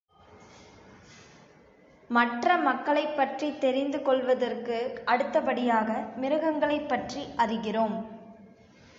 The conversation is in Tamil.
மற்ற மக்களைப் பற்றித் தெரிந்கொள்வதற்கு அடுத்தபடியாக மிருகங்களைப் பற்றி அறிகிறோம்.